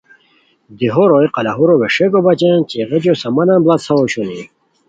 دیہو روئے قلاہورو ویݰئیکو بچین چیغیچیو سامانن بڑاڅھئیاؤ اوشونی